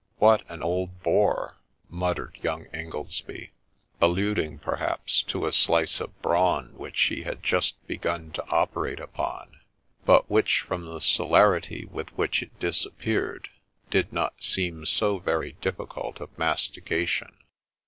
' What an old boar !' muttered young Ingoldsby ; alluding, perhaps, to a slice of brawn which he had just begun to operate upon, but which, from the celerity with which it disappeared, did not seem so very difficult of mastication.